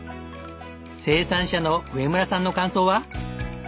生産者の上村さんの感想は？